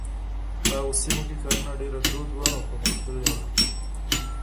په هغو سیمو کې کرنه ډېره دود وه او پرمختللې وه.